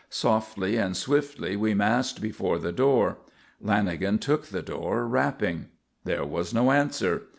Softly and swiftly we massed before the door. Lanagan took the door, rapping. There was no answer.